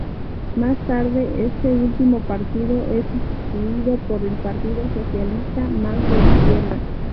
Más tarde este último partido es sustituido por el Partido Socialista, más de izquierdas.